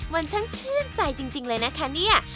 มันช่างชื่นใจจริงเลยนะคะเนี่ย